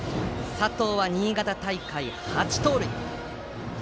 佐藤は新潟大会、８盗塁。